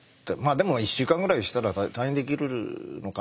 でも１週間ぐらいしたら退院できるのかな。